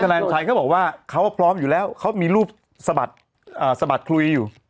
นายชัยก็บอกว่าเขาพร้อมอยู่แล้วเขามีรูปสะบัดคุยอยู่